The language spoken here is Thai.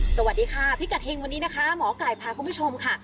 สวัสดีค่ะพิกัดเฮงวันนี้นะคะหมอไก่พาคุณผู้ชมค่ะ